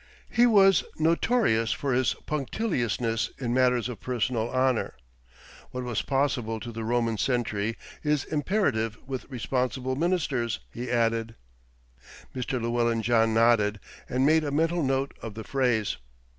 He was notorious for his punctiliousness in matters of personal honour. "What was possible to the Roman sentry is imperative with responsible Ministers," he added. Mr. Llewellyn John nodded, and made a mental note of the phrase.